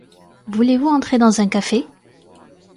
Voulez-vous entrer dans un café?